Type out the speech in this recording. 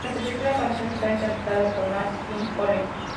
En la película la canción está interpretada por Nat King Cole.